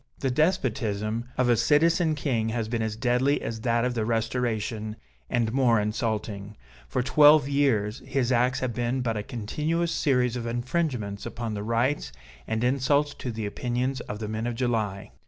The despotism of a Citizen King has been as deadly as that of the Restoration, and more insulting. For twelve years his acts have been but a continuous series of infringements upon the rights, and insults to the opinions, of the men of July.